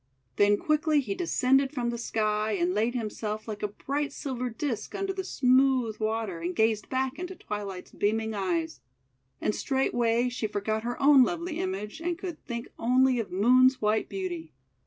Then quickly he descended from the Sky, and laid himself like a bright silver disc under THE COLOURS OF THE RAINBOW 257 the smooth water, and gazed back into Twi light's beaming eyes. And straightway she forgot her own lovely image, and could think only of Moon's white beauty.